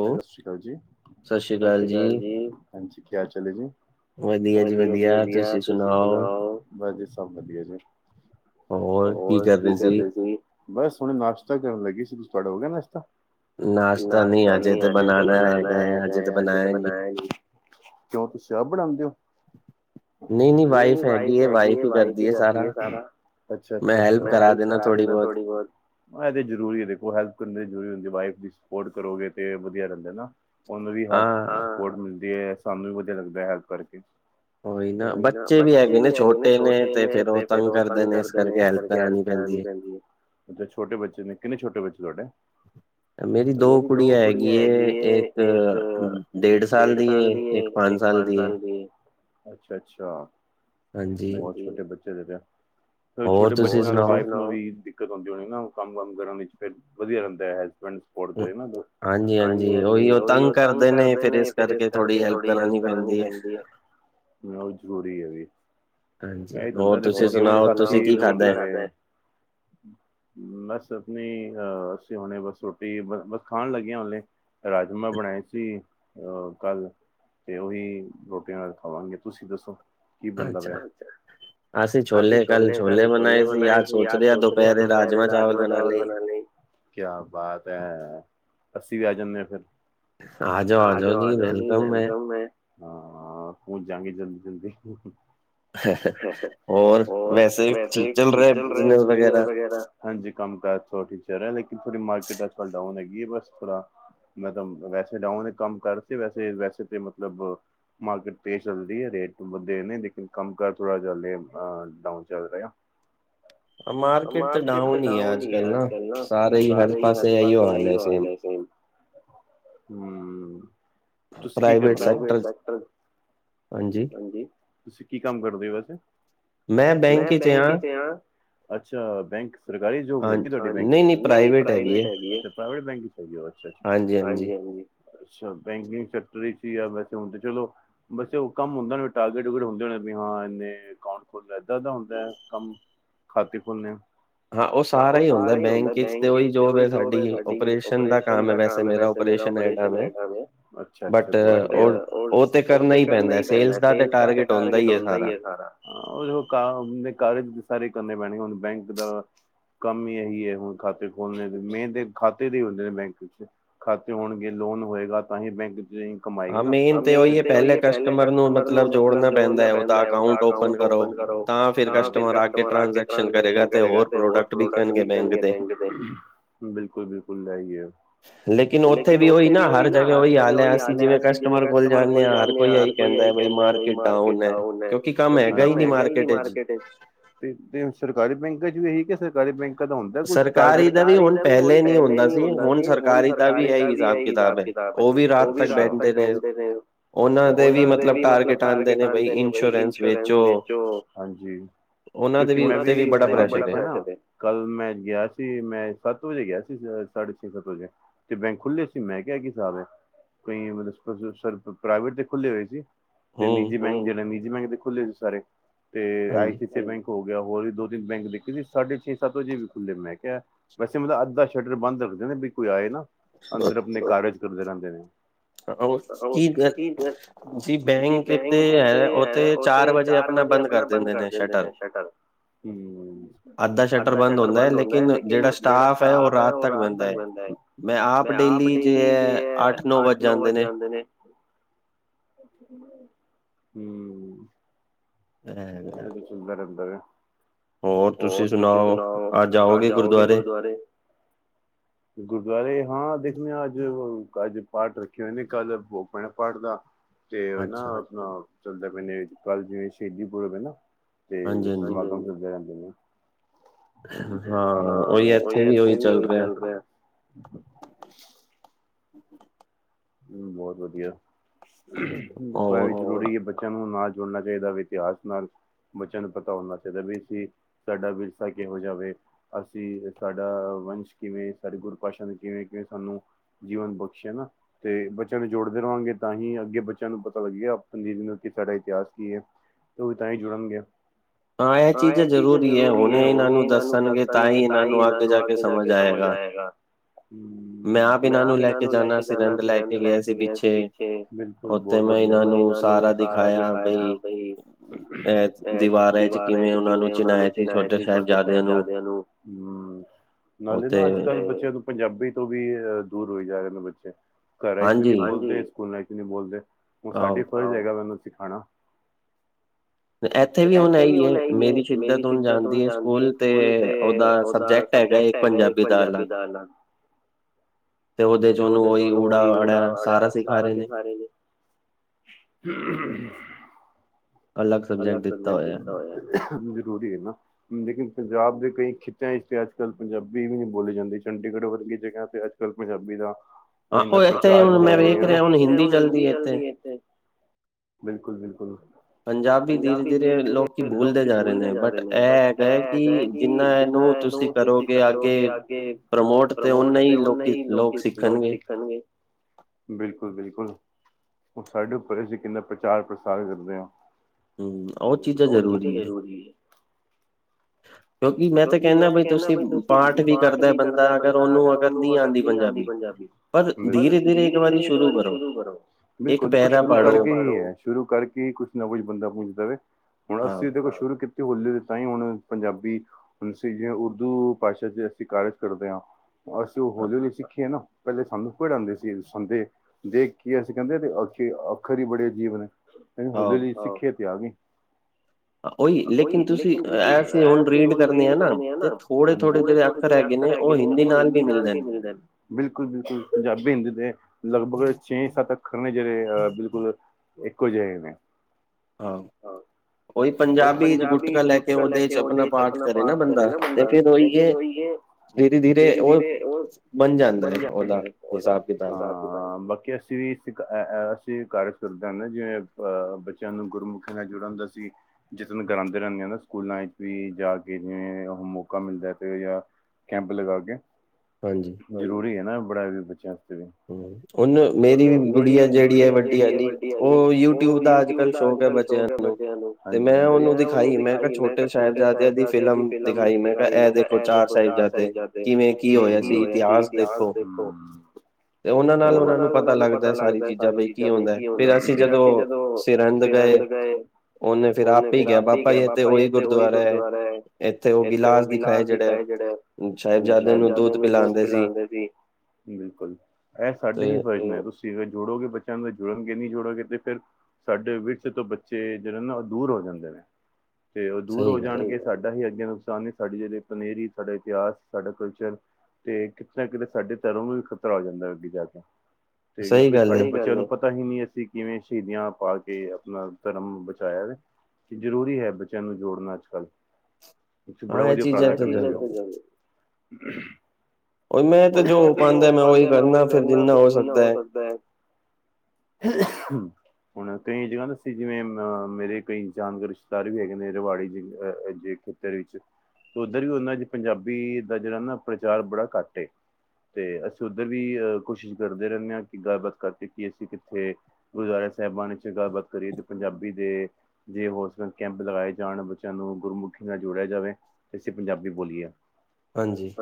ਸਤਿ ਸ੍ਰੀ ਅਕਾਲ ਜੀ, ਸਤ ਸ੍ਰੀ ਅਕਾਲ ਜੀ, ਹਾਂਜੀ ਕੀ ਹਾਲ- ਚਾਲ ਹੈ ਜੀ? ਵਧੀਆ ਜੀ ਵਧੀਆ ਤੁਸੀਂ ਸੁਣਾਓ? ਬਸ ਸਭ ਵਧੀਆ ਜੀ, ਹੋਰ ਕੀ ਕਰ ਰਹੇ ਸੀ, ਬਸ ਹੁਣ ਨਾਸ਼ਤਾ ਕਰਨ ਲੱਗੀ ਸੀ ਤੁਹਾਡਾ ਹੋ ਗਿਆ ਨਾਸ਼ਤਾ ਨਾਸ਼ਤਾ ਨਹੀਂ, ਅਜੇ ਤਾਂ ਬਣਾਉਣਾ ਹੈਗਾ ਹੈ, ਅਜੇ ਤਾਂ ਬਣਾਇਆ ਹੀ ਨਹੀ। ਕਿਉਂ ਤੁਸੀਂ ਆਪ ਬਣਾਉਂਦੇ ਹੋ? ਨਹੀਂ- ਨਹੀਂ ਵਾਈਫ ਹੈਗੀ ਹੈ, ਵਾਈਫ ਹੀ ਕਰਦੀ ਹੈ ਸਾਰਾ। ਅੱਛਾ -ਅੱਛਾ, ਮੈਂ ਹੈਲਪ ਕਰਾ ਦਿੰਦਾ ਥੋੜੀ -ਬਹੁਤ। ਏ ਤੇ ਜ਼ਰੂਰੀ ਹੈ ਦੇਖੋ ਹੈਲਪ ਕਰਨ ਦੀ ਜ਼ਰੂਰੀ ਹੁੰਦੀ ਵਾਈਫ ਦੀ ਸਪੋਰਟ ਕਰੋਗੇ ਤੇ ਵਧੀਆ ਰਹਿੰਦਾ ਨਾ। ਉਹਨੂੰ ਵੀ ਹ ਸਪੋਰਟ ਮਿਲਦੀ ਹੈ। ਸਾਨੂੰ ਵੀ ਵਧੀਆ ਲੱਗਦਾ ਹੈਲਪ ਕਰਕੇ। ਉਈ ਨਾ ਬੱਚੇ ਵੀ ਹੈਗੇ ਨੇ ਛੋਟੇ ਨੇ ਤੇ ਫੇਰ ਉਹ ਤੰਗ ਕਰਦੇ। ਮ ਛੋਟੇ ਬੱਚੇ ਨੇ, ਇਸ ਕਰਕੇ ਹੈਲਪ ਕਰਾਉਣੀ ਪੈਦੀ ਕਿੰਨੇ ਛੋਟੇ ਬੱਚੇ ਤੁਹਾਡੇ। ਮੇਰੀ ਦੋ ਕੁੜੀਆਂ ਹੈਗੀ ਹੈ, ਇੱਕ ਡੇਢ ਸਾਲ ਦੀ ਇੱਕ ਪੰਜ ਸਾਲ ਦੀ ਐ। ਅੱਛਾ- ਅੱਛਾ ਬਹੁਤ ਛੋਟੇ ਬੱਚੇ ਦੇ ਫਿਰ ਛੋਟੇ ਬੱਚਿਆਂ ਨਾਲ ਵਾਈਫ ਵੀ ਹੈਲਪ ਕਰਾਉਣੀ ਕੰਮ ਕੰਮ ਕਰਨ ਵਿੱਚ ਫਿਰ ਵਧੀਆ ਰਹਿੰਦਾ ਹੈਸਬੈਂਡ ਸਪੋਰਟ ਕਰੇ ਨਾ। ਹਾਂਜੀ -ਹਾਂਜੀ ਉਹੀ ਉਹ ਤੰਗ ਕਰਦੇ ਨੇ ਫੇਰ ਇਸ ਕਰਕੇ ਥੋੜ੍ਹੀ ਹੈਲਪ ਕਰਨੀ ਪੈਂਦੀ ਹੈ। ਹ [inaudible] ਬਹੁਤ ਜ਼ਰੂਰੀ ਹੈ ਜੀ ਇਹ, ਕਹਿੰਦਾ ਦੇਖੋ ਜਿਵੇਂ ਸਾਥੀ ਐ ਬਸ ਆਪਣੀ ਅਹ ਅਸੀਂ ਹੁਣੇ ਬਸ ਰੋਟੀ ਬ ਬਸ ਖਾਣ ਲੱਗੇ ਹਾਂ, ਹਲੇ। ਰਾਜਮਾਂਹ ਬਣਾਏ ਸੀ। ਅਹ ਕੱਲ ਤੇ ਉਹੀ ਰੋਟੀਆਂ ਨਾਲ ਖਾਵਾਂਗੇ, ਤੁਸੀਂ ਦੱਸੋ ਕੀ ਬਣਦਾ ਪਿਆ। ਅਸੀਂ ਛੋਲੇ ਕੱਲ ਛੋਲੇ ਬਣਾਏ ਸੀ। ਅੱਜ ਸੋਚ ਰਿਹਾ ਦੁਪਹਿਰੇ ਰਾਜਮਾ ਚਾਵਲ ਬਣਾ ਲੈ। ਕਿਆ ਬਾਤ ਹੈ। ਅੱਸੀ ਵੀ ਆ ਜਾਂਦੇ ਹਾਂ ਫਿਰ। ਆ ਜੋ ਆ ਜੋ ਜੀ ਵੈਲਕਮ ਐ ਹਾਂ ਹਾਂ ਪੁੱਹਚ ਜਾਂਗੇ ਜਲਦੀ ਜਲਦੀ। ਹੋਰ ਵੈਸੇ ਠੀਕ ਚੱਲ ਰਿਹਾ। ਬਿਜਨਸ ਵਗੈਰਾ ਹਾਂਜੀ ਕੰਮ ਕਜ ਥੋੜ੍ਹਾ ਠੀਕ ਚਲ ਰਿਹਾ ਲੇਕਿਨ ਥੋੜੀ ਮਾਰਕਿਟ ਅੱਜਕੱਲ ਡਾਊਨ ਹੈਗੀ ਬਸ। ਥੋੜਾ। ਮੈਂ ਤਾਂ ਵੈਸੇ ਡਾਊ ਕੰਮ ਕਰ ਤੇ ਵੈਸੇ ਵੈਸੇ ਤੇ ਮਤਲਬ ਮਾਰਕੀਟ ਤੇਜ਼ ਚੱਲਦੀ ਹੈ ਰੇਟ ਵਧ ਨੇ ਲੇਕਿਨ ਕੰਮ ਕਰ ਥੋੜ੍ਹਾ ਜਿਹਾ ਲੇ। ਅ ਡਾਊਨ ਚੱਲ ਰਿਹਾ। [inaudible] ਮਾਰਕੀਟ ਤੇ ਡਾਊਨ ਹੀ ਹੈ ਅੱਜ ਕੱਲ ਨਾ ਸਾਰੇ ਹੀ ਹਰ ਪਾਸੇ ਆਹੀਓ ਹਾਲ ਐ ਸੇਮ। ਹਮ। ਤੁਸੀਂ ਕੀ ਕਰਦੇ ਹਾਂਜੀ। ਤੁਸੀਂ ਕੀ ਕੰਮ ਕਰਦੇ ਹੋ ਵੈਸੇ। ਮੈਂ ਬੈਂਕ ਈਚ ਆਂ। ਅੱਛਾ ਬੈਂਕ। ਸਰਕਾਰੀ ਜੋਬ ਲੱਗੀ ਤੁਹਾਡੇ ਬੈਂਕ ਇੰਚ ਨਹੀ ਨਹੀ ਪ੍ਰਾਈਵੇਟ ਹੈਗੀਵੇ ਅੱਛਾ ਪ੍ਰਾਈਵੇਟ ਬੈਂਕ ਈਚ ਹੈਗੀ ਏ ਅੱਛਾ। ਹਾਂਜੀ ਹਾਂਜੀ ਅੱਛਾ ਬੈਂਕਿੰਗ ਸੈਕਟਰ ਇੰਚ ਈ ਆ ਵੈਸੇ ਹੁਣ ਤੇ ਚਲੋ। ਬਸ ਉਹ ਕੰਮ ਹੁੰਦਾ ਨੇ ਟਾਰਗੇਟ ਵਗੈਰਹਾ ਹੁੰਦੇ ਨੇ ਵੀ ਹਾਂ ਇਨੇ। ਅਕਾਊਂਟ ਖੋਲ ਏਦਾਂ ਦਾ ਹੁੰਦਾ ਹੈ ਕੰਮ ਖਾਤੇ ਖੋਲਣੇ। ਹਾਂ ਉਹ ਸਾਰਾ ਹੀ ਹੁੰਦਾ ਬੈਂਕ ਵਿਚ ਤੇ ਉਹੀ ਜੋਬ ਐ ਸਾਡੀ ਓਪਰੇਸ਼ਨ ਦਾ ਕੰਮ ਹੈ ਵੈਸੇ। ਮੇਰਾ ਉਪਰਸ਼ਨ ਹੈਗਾ ਵੇ ਕੱਲ। ਓ ਤੇ ਕਰਨਾ ਹੀ ਪੈਂਦਾ ਸੇਲ੍ਸ ਦਾ ਤੇ। ਟਾਰਗੇਟ ਹੁੰਦਾ ਹੀ ਐ ਸਾਰਾ। ਉਹ ਕਾਰਜ ਸਾਰੇ ਕਰਨੇ ਪੈਣੇ ਹੁਣ ਬੈਂਕ ਦਾ ਕੰਮ ਹੀ ਇਹੀ ਹੈ ਹੁਣ। ਖਾਤੇ ਖੋਲਣੇ ਤੇ ਮੇਨ ਤੇ ਖਾਤੇ ਦੇ ਹੁੰਦੇ ਨੇ ਬੈਂਕ ਵਿੱਚ। ਖਾਤੇ ਹੋਣਗੇ ਲੋਨ ਹੋਏਗਾ। ਤਾਂ ਹੀ ਬੈਂਕ ਚ ਕਮਾਏਗੀ ਨਾ ਮੇਨ ਤੇ ਉਹੀ ਹੈ। ਪਹਿਲੇ ਕਸਟਮਰ ਨੂੰ ਮਤਲਬ ਜੋੜਨਾ ਪੈਂਦਾ ਹੈ ਉਹਦਾ। ਅਊਂਟ ਓਪਨ ਕਰੋ। ਤਾਂ ਫਿਰ ਕਸਟਮਰ ਆ ਕੇ ਟ੍ਰਾਂਜੈਕਸ਼ਨ ਕਰੇਗਾ ਤੇ ਹੋਰ ਪ੍ਰੋਡਕਟ ਵਿਕਣਗੇ ਬੈਂਕ। ਬਿਲਕੁਲ ਬਿਲਕੁਲ ਐਈ ਹੈ। ਲੇਕਿਨ ਉੱਥੇ ਵੀ ਉਹੀ ਨਾ ਹਰ ਜਗ੍ਹਾ ਉਹੀ ਹਾਲ ਹੈ ਅਸੀਂ ਜਿਵੇਂ ਕਸਟਮਰ ਕੋਲ ਜਾਂਦੇ ਹਾਂ ਹ। ਕੋਈ ਇਹੀ ਕਹਿੰਦਾ ਬਈ ਮਾਰਕੀਟ ਡਾਊਨ ਹੈ। ਕਿਉਂਕਿ ਕੰਮ ਹੈਗਾ ਹੀ ਨੀ ਮਾਰਕੀਟ। ਤੇ ਸਰਕਾਰੀ ਬੈਂਕਾਂ ਚ ਵੀ ਇਹੀ ਕਿ ਸਰਕਾਰੀ ਬੈਂਕ ਹੁੰ ਸਰਕਾਰੀ ਦਾ ਵੀ ਹੁਣ ਪਹਿਲੇ ਨੀ ਹੁੰਦਾ ਸੀ ਹੁਣ ਸਰਕਾਰੀ ਦਾ ਵੀ ਇਹਹੀ ਹਿਸਾਬ ਕਿ। ਉਹ ਵੀ ਰਾਤ ਤੱਕ ਬੈਠਦੇ ਨੇ ਉਹਨਾਂ ਦੇ ਵੀ ਮਤਲਬ ਟਾਰਗੇਟ ਆਉਂਦੇ ਨੇ ਬ। ਹਾਂਜੀ ਕਿ ਮ ਕੱਲ ਮੈਂ ਗਿਆ ਸੀ ਮੈਂ ਸੱਤ ਵਜੇ ਗਿਆ ਸੀ ਸਾਢੇ ਛੇ ਸੱਤ ਵਜੇ। ਤੇ ਬੈਂਕ ਖੁੱਲੇ ਸੀ ਮੈਂ ਕਿਹਾ ਐ ਕੀ ਹਿਸਾਬ ਏ ਕਈ ਮਤਲਬ ਪ੍ਰਾਈਵੇਟ ਤੇ ਖੁੱਲੇ ਹੋਏ ਸੀ। ਤੇ ਨਿੱਜੀ ਬੈਂਕ ਜਿਹੜੇ ਨਿੱਜੀ ਬੈਂਕ ਦੇ ਖੁਲੇ ਸੀ ਸਾਰੇ ਤੇ ਆਈ ਸੀ ਸੀ ਬੈਂਕ। ਹੋ ਗਿਆ ਹੋਰ ਵੀ ਦੋ ਤਿੰਨ ਬੈਂਕ ਦੇਖੇ ਸੀ ਸਾਢੇ ਛੇ ਸੱਤ ਵਜੇ ਵੀ ਖੁੱਲ੍ਹੇ ਮੈਂ ਕਿਹਾ। ਵੈਸੇ ਮਤਲਬ ਅੱਧਾ ਸ਼ਟਰ ਬੰਦ ਰੱਖਦੇ ਨੇ ਵੀ ਕੋਈ ਆਏ ਨਾ ਅੰਦਰ ਆਪਣੇ ਕਾਰਜ ਕਰਦੇ ਰਹਿੰਦੇ ਨੇ। ਉਹ ਜੀ ਬੈਂਕ ਤੇ ਹੈ ਤੇ ਚਾਰ ਵਜੇ ਆਪਣਾ ਬੰਦ ਕਰ ਦਿੰਦੇ ਨੇ ਸ਼ਟਰ। ਹਮ ਅੱਧਾ ਸ਼ਟਰ ਬੰਦ ਹੁੰਦਾ ਹੈ ਲੇਕਿਨ ਜਿਹੜਾ ਸਟਾਫ ਹੈ ਉਹ ਰਾਤ ਤੱਕ ਬੈੰਦਾ ਐ। ਮੈਂ ਆਪ ਡੇਲੀ ਦੇ ਐ ਆਠ ਨੋ ਵਜੇ ਜਾਂਦੇ ਨੇ ਹਮ ਐ ਹੈਗੈ ਸੁੰਦਰ ਰੰ ਹੋਰ ਤੁਸੀ ਸੁਣਾਓ ਅੱਜ ਆਓਗੇ ਗੁਰਦੁਆਰੇ। ਗੁਰਦੁਆਰੇ ਹਾਂ ਦੇਖਨੇ ਆ ਅੱਜ ਅੱਜ ਪਾਠ ਰੱਖੇ ਹੋਏ ਨੇ ਕੱਲ ਭੋਗ ਪੈਨੇ ਪਾਠ ਦਾ। ਤੇ ਨਾ ਆਪਣਾ ਚੱਲਦੇ ਪਏ ਨੇ ਕੱਲ ਜਿਵੇਂ ਸ਼ਹੀਦੀ ਪੁਰਬ ਐ ਨਾ। ਤੇ ਸਮਾਗਮ ਹੁੰਦੇ ਰਹਿੰਦੇ ਨੇ। ਹਾਂ, ਉਹੀ ਇੱਥੇ ਵੀ ਉਹੀ ਚੱਲ ਰਿਹਾ। ਹੂੰ, ਬਹੁਤ ਵਧੀਆ, ਦੇਖੋ ਇਹ ਵੀ ਜ਼ਰੂਰੀ ਐ ਬੱ ਬੱਚਿਆਂ ਨੂੰ ਨਾ ਜੋੜਨਾ ਚਾਹੀਦਾ ਵੀ ਇਤਿਹਾਸ ਨਾਲ, ਬੱਚਿਆਂ ਨੂੰ ਪਤਾ ਹੋਣਾ ਚਾਹੀਦਾ ਵੀ ਅਸੀਂ ਸਾਡਾ ਵਿਰਸਾ ਕਿ ਹੋ ਜਾਵੇ ਅਸੀਂ ਸਾਡਾ ਵੰਸ਼ ਕਿਵੇਂ, ਸਾਡੇ ਗੁਰ ਪਾਤਸ਼ਾਹ ਕਿਵੇਂ- ਕਿਵੇਂ ਸਾਨੂੰ ਜੀਵਨ ਬਖਸ਼ਿਆ ਨਾ। ਤੇ ਬੱਚਿਆਂ ਨੂੰ ਜੋੜਦੇ ਰਹਾਂਗੇ, ਤਾਂਹੀ ਅੱਗੇ ਬੱਚਿਆਂ ਨੂੰ ਪਤਾ ਲੱਗੇਗਾ, ਨਾਲ ਸਾਡਾ ਇਤਿਹਾਸ ਕੀ ਐ। ਉਹ ਵੀ ਤਾਂਹੀ ਜੁੜਨਗੇ ਉਹ। ਹਾਂ ਇਹ ਚੀਜ਼ ਜ਼ਰੂਰੀ ਏ, ਹੁਣੇ ਇਹਨਾਂ ਨੂੰ ਦੱਸਣਗੇ, ਤਾਂ ਹੀ ਇਹਨਾਂ ਨੂੰ ਅੱਗੇ ਜਾ ਕੇ ਸਮਝ ਆਏ ਮੈਂ ਆਪ ਇਹਨਾਂ ਨੂੰ ਲੈ ਕੇ ਜਾਣਾ। ਸਰਹੰਦ ਲੈ ਕੇ ਗਿਆ ਸੀ ਪਿੱਛੇ, ਬਿਲਕੁਲ ਬਹੁਤ ਵਧੀਆ ਵਾ, ਮੈਂ ਇਹਨਾਂ ਨੂੰ ਸਾਰਾ ਦਿਖਾਇਆ ਬਈ ਐਹ ਦੀਵਾਰ ਦੀਵਾਰਾਂ ਵਿਚ ਕਿਵੇਂ ਉਹਨਾਂ ਨੂੰ ਚਿਨਾਇਆ ਸੀ ਛੋਟੇ ਸਾਹਿਬਜ਼ਾਦਿਆਂ ਨੂੰ, ਹੂੰ। ਨਾਲੇ ਨਾ ਅੱਜ-ਕੱਲ ਬੱਚਿਆਂ ਨੂੰ ਪੰਜਾਬੀ ਤੋਂ ਵੀ ਅ ਦੂਰ ਹੋਈ ਜਾ ਰਹੇ ਨੇ ਬੱਚੇ, ਘਰਾਂ ਚ ਵੀ ਨਹੀਂ ਬੋਲਦੇ। ਸਕੂਲਾਂ ਚ ਨਹੀਂ ਬੋਲਦੇ, ਹੁਣ ਸਾਡੀ ਫਰਜ਼ ਹੈਗਾ, ਉਹਨਾਂ ਨੂੰ ਸਿਖਾਣਾ। ਇੱਥੇ ਵੀ ਹੁਣ ਇਹੀ ਏ, ਮੇਰੀ ਸ਼ਿੱਦਤ ਹੁਣ ਜਾਂਦੀ ਐ ਸਕੂਲ, ਤੇ ਉਹਦਾ ਸਬਜੈਕਟ ਹੈਗਾ ਇੱਕ ਪੰਜਾਬੀ ਦਾ ਅਲੱਗ, ਤੇ ਉਹਦੇ ਚ ਉਹਨੂੰ ਊੜਾ ਐੜਾ ਸਾਰਾ ਸਿਖਾ ਰਹੇ ਨੇ। [unintelligible] ਅਲੱਗ ਸਬਜੈਕਟ ਦਿੱਤਾ ਹੋਇਆ, ਜ਼ਰੂਰੀ ਐ ਨਾ। ਲੇਕਿਨ ਪੰਜਾਬ ਦੇ ਕਈ ਖਿੱਤਿਆਂ ਵਿੱਚ ਤੇ ਅੱਜ-ਕੱਲ੍ਹ ਪੰਜਾਬੀ ਵੀ ਨਹੀਂ ਬੋਲੀ ਜਾਂਦੀ, ਚੰਡੀਗੜ੍ਹ ਵਰਗੀਆਂ ਜਗ੍ਹਾ ਤੇ ਅੱਜ ਅੱਜ-ਕੱਲ ਪੰਜਾਬੀ ਦਾ ਐਨਾ ਪ੍ਰਚਾਰ ਨਈ ਐ, ਅੱਜ-ਕੱਲ ਵੇਖ ਰਿਹਾਂ ਹੁਣ ਹਿੰਦੀ ਚੱਲ ਰਹੀ ਏ। ਬਿਲਕੁਲ- ਬਿਲਕੁਲ। ਪੰਜਾਬੀ ਧੀਰੇ-ਧੀਰੇ ਲੋਕ ਕਿ ਭੁਲਦੇ ਜਾ ਰਹੇ ਨੇ, ਬਟ ਇਹ ਹੈਗਾ ਕਿ ਜਿੰਨਾ ਦੋ ਤੁਸੀਂ ਕਰੋਗੇ ਆਗੇ ਪ੍ਰਮੋਟ, ਤੇ ਉਹਨਾ ਹੀ ਲੋਕੀ ਲੋਕ ਸਿੱਖਣਗੇ। ਬਿਲਕੁਲ- ਬਿਲਕੁਲ, ਉਹ ਸਾਡੇ ਉੱਪਰ ਅਸੀਂ ਕਿੰਨਾ ਪ੍ਰਚਾਰ ਪ੍ਰਸਾਰ ਕਰਦੇ ਹਾਂ। ਹੂੰ, ਉਹ ਚੀਜ਼ਾਂ ਜ਼ਰੂਰੀ ਏ। [inaudible] ਕਿਉਂਕਿ ਮੈਂ ਤੇ ਕਹਿੰਦਾ ਬਈ ਤੁਸੀਂ ਪਾਠ ਵੀ ਕਰਦਾ ਬੰਦਾ, ਅਗਰ ਉਹਨੂੰ ਅਗਰ ਨਹੀਂ ਆਂਦੀ ਪੰਜਾਬੀ। ਬਿਲ ਬਸ ਧੀਰੇ- ਧੀਰੇ ਇਕ ਵਾਰੀ ਸ਼ੁਰੂ ਕਰੋ, ਬਿਲਕੁਲ ਦੇਖੋ ਸ਼ੁਰੂ ਕਰਕੇ ਹੀ ਹੈ, ਸ਼ੁਰੂ ਕਰਕੇ ਹੀ ਕੁਛ ਨਾ ਕੁਝ ਬੰਦਾ ਪੁੱਛ ਦਵੇ, ਹੁਣ ਅਸੀਂ ਦੇਖੋ ਸ਼ੁਰੂ ਕੀਤੀ ਹੋਲੀ- ਹੋਲੀ ਤਾਂਹੀ ਹੁਣ ਪੰਜਾਬੀ ਜਿਹਦੇ ਸੀ ਉਰਦੂ ਭਾਸ਼ਾ ਚ ਅਸੀਂ ਕਾਰਜ ਕਰਦੇ ਹਾਂ, ਅਸੀਂ ਉਹ ਹੌਲੀ- ਹੌਲੀ ਸਿੱਖੀ ਐ ਨਾ। ਪਹਿਲੇ ਸਾਨੂੰ ਕਿਹੜਾ ਆਂਦੇ ਸੀ ਸੰਦੇ। ਦੇੇਖ ਕੀ ਅਸੀਂ ਕਹਿੰਦੇ, ਇਹਦੇ ਅ ਅੱਖਰ ਹੀ ਬੜੇ ਅਜੀਬ ਨੇ। ਇਹਨੂੰ ਹੌਲੀ- ਹੌਲੀ ਸਿੱਖੇ ਤੇ ਆ ਗਈ। ਉਹੀ ਲੇਕਿਨ ਤੁਸੀਂ ਐਸੀ ਹੁਣ ਰੀਲ ਕਰਨੀ ਐ ਨਾ, ਥੋੜੇ- ਥੋੜੇ ਜਿਹੜੇ ਅਕਸਰ ਹੈਗੇ ਨੇ, ਉਹ ਹਿੰਦੀ ਨਾਲ ਵੀ ਮਿਲਦੇ ਨੇ। ਬਿਲਕੁਲ- ਬਿਲਕੁਲ, ਪੰਜਾਬੀ, ਹਿੰਦੀ ਦੇ ਲਗਭਗ ਛੇ ਸੱਤ ਅੱਖਰ ਨੇ ਜਿਹੜੇ, ਬਿਲਕੁਲ ਇੱਕੋ ਜਿਹੇ ਹੈਗੇ ਨੇ। ਹਾਂ। ਉਹੀ ਪੰਜਾਬੀ ਚ ਗੁਟਕਾ ਲੈ ਕੇ, ਉਹਦੇ ਚ ਆਪਣਾ ਪਾਠ ਕਰੇ ਨਾ ਬੰਦਾ, ਤੇ ਫਿਰ ਉਹੀ ਏ ਦੀਰੇ-ਦੀਰੇ ਉਹ ਬਣ ਜਾਂਦਾ ਐ, ਉਹਦਾ ਹਿਸਾਬ ਕਿਤਾਬ। ਹਾਂ, ਬਾਕੀ ਅਸੀਂ ਵੀ ਅਸੀਂ ਘਰ ਸਿਖਾਂਦੇ, ਜਿਵੇਂ ਅਹ ਬੱਚਿਆਂ ਨੂੰ ਗੁਰਮੁਖ ਨਾਲ ਜੁੜਨ ਦਾ ਸੀ। ਜਿਸ ਤਰ੍ਹਾਂ ਕਰਾਂਦੇ ਰਹਿੰਦੇ ਆ ਨਾ, ਸਕੂਲਾਂ ਵਿੱਚ ਵੀ ਜਾ ਕੇ ਜਿਵੇਂ ਉਹ ਮੌਕਾ ਮਿਲਦਾ, ਤੇ ਜਾਂ ਕੈਂਪ ਲਗਾ ਕੇ। ਹਾਂਜੀ। ਜ਼ਰੂਰੀ ਆ ਨਾ ਬੜਾ, ਆਹ ਵੀ ਬੱਚਿਆਂ ਹੂ, ਉਹਨੂੰ ਮੇਰੀ ਵੀ ਗੁੜੀਆ ਜਿਹੜੀ ਆ ਵੱਡੀ ਵਾਲੀ ਉਹ ਯੂਟਿਊਬ ਦਾ ਅੱਜ ਕੱਲ੍ਹ ਸ਼ੋਕ ਬੱਚਿਆਂ ਨੂੰ ਤੇ ਮੈਂ ਉਹਨੂੰ ਦਿਖਾਈ ਮੈਂ ਕਿਹਾ ਛੋਟੇ ਸਾਹਿਬਜ਼ਾਦਿਆਂ ਦੀ ਫਿਲਮ ਦਿਖਾਈ, ਮੈਂ ਕਿਹਾ ਇਹ ਦੇਖ ਚਾਰ ਸਾਹਿਬਜ਼ਾਦੇ, ਕਿਵੇਂ ਕੀ ਹੋਇਆ ਸੀ ਇਤਿਹਾਸ ਦੇਖੋ। ਤੇ ਉਹਨਾਂ ਨਾਲ ਉਹਨਾਂ ਨੂੰ ਪਤਾ ਲੱਗਦਾ ਸਾਰੀ ਚੀਜ਼ਾਂ ਬਈ ਕੀ ਹੁੰਦਾ ਫੇਰ ਅਸੀਂ ਜਦੋਂ ਸਰਹਿੰਦ ਗਏ, ਉਹਨੇ ਫਿਰ ਆਪੇ ਹੀ ਕਿਆ ਪਾਪਾ ਏ ਤੇ ਉਹੀ ਗੁਰਦੁਆਰਾ ਐ। ਇੱਥੇ ਉਹ ਗਲਾਸ ਦਿਖਾਏ ਜਿਹੜੇ ਹਾਂਜੀ, ਸਾਹਿਬਜ਼ਾਦਿਆਂ ਨੂੰ ਦੁੱਧ ਪਿਲਾਂਦੇ ਸੀ। ਬਿਲਕੁਲ ਇਹ ਸਾਡੇ ਹੀ ਫਰਜ਼ ਨੇ, ਤੁਸੀਂ ਜੋੜੋਗੇ ਬੱਚਿਆਂ ਨੂੰ ਨਾਲ ਜੁੜਨਗੇ ਨਹੀਂ ਜੋੜੋਗੇ ਤੇ ਫਿਰ ਸਾਡੇ ਵਿੱਚ ਤੋਂ ਬੱਚੇ ਜਿਹੜੇ ਨਾ ਉਹ ਦੂਰ ਹੋ ਜਾਂਦੇ ਨੇ, ਤੇ ਉਹ ਦੂਰ ਹੋ ਜਾਣਗੇ ਸਾਡਾ ਹੀ ਅੱਗੇ ਨੁਕਸਾਨ ਨਹੀਂ ਸਾਡੀ ਜਿਹੜੇ ਪਨੀਰੀ ਸਾਡਾ ਇਤਿਹਾਸ ਸਾਡਾ ਕਲਚਰ ਤੇ ਕਿਤੇ ਨਾ ਕਿਤੇ ਸਾਡੇ ਧਰਮ ਨੂੰ ਵੀ ਖ਼ਤਰਾ ਹੋ ਜਾਂਦਾ। ਜਾ ਕੇ ਤੇ ਕਿਉਂਕਿ ਸਾਡੇ ਬੱਚਿਆਂ ਨੂੰ ਪਤਾ ਹੀ ਨਹੀਂ ਅਸੀਂ। ਕਿਵੇਂ ਸ਼ਹੀਦੀਆਂ ਪਾ ਕੇ ਆਪਣਾ ਧਰਮ ਬਚਾਇਆ। ਜ਼ਰੂਰੀ ਹੈ, ਬੱਚਿਆਂ ਨੂੰ ਜੋੜਨਾ ਅੱਜ ਕੱਲ੍ਹ। ਅਛ ਬੜਾ ਵਧੀਆ ਪ੍ਰ ਕਰਦੇ ਪੇ ਓ। ਉਹ ਮੈਂ ਤਾਂ ਜੋ ਹੋ ਪਾਉਂਦਾ, ਮੈਂ ਉਹੀ ਕਰਨਾ ਫੇਿਰ ਜਿੰਨਾ ਹੋ ਸਕਦਾ ਹੈ। [unintelligible] ਹੁਣ ਕਈ ਜਗ੍ਹਾ ਦੱ ਜਿਵੇਂ ਅ, ਮੇਰੇ ਕਈ ਜਾਾਨਗ ਰਿਸ਼ਤੇਦਾਰ ਵੀ ਹੈਗੇ ਨੇ ਰਵਾੜੀ ਜ ਅ। ਵਿੱਚ ਉੱਧਰ ਵੀ ਉਹਨਾਂ ਦੀ ਪੰਜਾਬੀ ਦਾ ਜਿਹੜਾ ਨਾ ਪ੍ਰਚਾਰ ਬੜਾ ਘੱਟ ਏ। ਤੇ ਅਸੀਂ ਉੱਧਰ ਵੀ ਅਹ ਕੋਸ਼ਿਸ਼ ਕਰਦੇ ਰਹਿੰਦੇ ਹਾਂ ਕਿ ਗੱਲਬਾਤ ਕਰਕੇ ਕੀ ਅਸੀਂ ਕਿੱਥੇ। ਗੁਰਦੁਆਰਾ ਸਾਹਿਬਾਂ ਵਿੱਚ ਗੱਲਬਾਤ ਕਰੀਏ ਤੇ ਪੰਜਾਬੀ ਦੇ ਜੇ ਹੋ ਸਕੇ ਕੈਂਪ ਲਗਾਏ ਜਾਣ ਬੱਚਿਆਂ ਨੂੰ ਗੁਰਮੁਖੀ ਨਾਲ ਜੋੜਿਆ ਜਾਵੇ। ਅਸੀਂ ਪੰਜਾਬੀ ਬੋਲੀਏ। ਹਾਂਜੀ।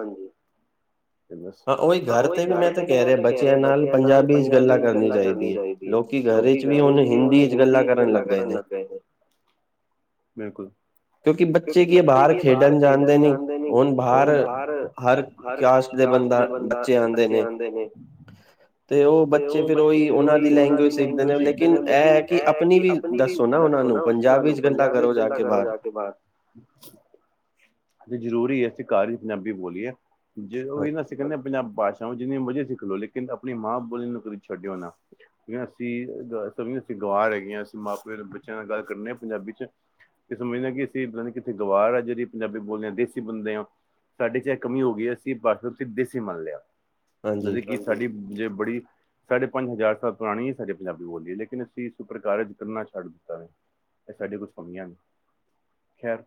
ਤੇ ਬਸ, ਉਹੀ ਘਰ ਤੇ ਕਿ ਮੈਂ ਆਪਣੇ ਬੱਚਿਆਂ ਨਾਲ ਪੰਜਾਬੀ ਚ ਗੱਲਾਂ ਕਰਨੀ ਚਾਹੀਦੀ ਏ, ਲੋਕੀ ਘਰ ਵਿਚ ਵੀ ਹੁਣ ਹਿੰਦੀ ਚ ਗੱਲਾਂ ਕਰਨ ਲੱਗ ਸਹੀ ਏ, ਬਿਲਕੁਲ। ਕਿਉਂਕਿ ਬੱਚੇ ਕੀ ਬਾਹਰ ਖੇਡਣ ਜਾਂਦੇ ਨਹੀਂ, ਹੁਣ ਬਾਹਰ ਹਰ ਕਲਾਸ ਦੇ ਬੰਦਾ, ਬੱਚੇ ਆਂਦੇ ਨੇ ਤੇ ਉਹ ਬੱਚੇ ਫੇਰ ਉਹੀ ਉਹਨਾਂ ਦੀ ਲੈਂਗੁਏਜ ਸਿੱਖਦੇ ਨੇ, ਲੇਕਿਨ ਇਹ ਐ ਕਿ ਆਪਣੀ ਵੀ ਦੱਸੋ ਨਾ ਉਹਨਾਂ ਨੂੰ ਪੰਜਾਬੀ ਚ ਗੱਲਾਂ ਕਰੋਂ ਜਾ ਕੇ ਬਾਹਰ। ਤੇ ਜ਼ਰੂਰੀ ਹੈ ਅਸੀਂ ਘਰ ਹੀ ਪੰਜਾਬੀ ਬੋਲੀਏ ਜੇ ਉਹੀ ਨਾ। ਕਹਿੰਦੇ, ਪੰਜਾਬੀ ਭਾਸ਼ਾ ਵਾ ਜਿਨੀਆ ਮਰਜੀ ਜੇ ਸਿੱਖ ਲੋ ਲੇਕਿਨ ਆਪਣੀ ਮਾਂ ਬੋਲੀ ਨੂੰ ਕਦੇ ਛੱਡਿਓ ਨਾ। ਅਸੀਂ ਸਮ ਅਸੀਂ ਗਵਾਰ ਹੈਗੇ ਹਾਂ, ਅਸੀਂ ਮਾਂ ਪਿਓ ਨਾਲ ਬੱਚਿਆਂ ਨਾਲ ਗੱਲ ਕਰਨੇ ਹਾਂ ਪੰਜਾਬੀ ਚ। ਕਿ ਸਮਝਦੇ ਕਿ ਅਸੀਂ ਕਿੱਥੇ ਗਵਾਰ ਆ, ਜਿਹੜੀ ਪੰਜਾਬੀ ਬੋਲਦੇਾਂ ਦੇਸੀ ਬੰਦੇ ਆਾਂ। ਸਾਡੇ ਚ ਇਹ ਕਮੀ ਹੋ ਗਈ ਹੈ, ਅਸੀਂ ਪਾਸਤੇ ਦੇਸੀ ਮੰਨ ਲਿਆ ਜਦੇ ਕਿ ਸਾਡੀ ਜੇ ਬੜੀ। ਸਾਡੇ ਪੰਜ ਹਜ਼ਾਰ ਸਾਲ ਪੁਰਾਣੀ ਹੈ, ਸਾਡੇ ਪੰਜਾਬੀ ਬੋਲੀਏ ਲੇਕਿਨ ਅਸੀਂ ਇਸ ਪ੍ਰਕਾਰਜ ਕਰਨਾ ਛੱਡ ਦਿੱਤਾ ਵ। ਇਹ ਸਾਡੀਆਂ ਕੁਛ ਕਮੀਆਂ ਨੇ ਖੈਰ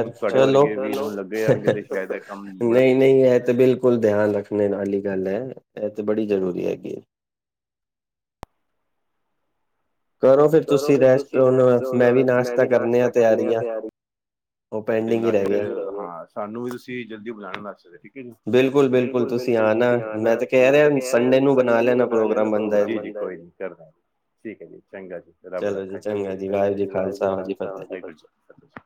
ਹੁਣ ਤੁਹਾਡੇ ਵਰਗੇ ਲੱਗੇ ਜਾਣਗੇ ਤੇ ਸ਼ਾਇਦ ਇਹ ਕੰਮ ਬੜਾ ਨਹੀਂ ਇਹ ਤੇ ਬਿਲਕੁਲ ਧਿਆਨ ਰੱਖਣ ਵਾਲੀ ਗੱਲ ਹੈ ਇਹ ਤੇ ਬੜੀ ਜ਼ਰੂਰੀ ਹੈਗੀ। ਕਰੋ ਫਿਰ ਤੁਸੀਂ ਰੈਸਟ ਹੁਨ ਮੈਂ ਵੀ ਨਾਸ਼ਤਾ ਕਰਨੇ ਆ ਤਿਆਰੀ ਹ। ਫ ਹਾਂ ਸਾਨੂੰ ਵੀ ਤੁਸੀਂ ਜਲਦੀ ਬਲਾਣਾ ਨਾਸ਼ਤੇ ਤੇ ਠੀਕੇ ਨਾ ਬਿਲਕੁਲ ਬਿਲਕੁਲ, ਤੁਸੀਂ ਆਣਾ ਮੈਂ ਤੇ ਕਹਿ ਰਿਹਾ ਸੰਡੇ ਨੂੰ ਬਣਾ ਲੈਣਾ ਪ੍ਰੋਗਰਾਮ। ਕਰ ਠੀਕ ਹੈ ਜੀ ਚੰਗਾ, ਜੀ ਰੱਬ ਰੱਖਾ ਚਲੋ ਜੀ ਚੰਗਾ ਜੀ ਵਾਹਿ ਜੂ ਖਾਲਸਾ ਵਾੁਰ। ਸਭ ਕੁਛ।